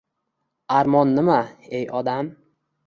— Armon nima, ey odam?